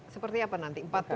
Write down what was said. seperti apa nanti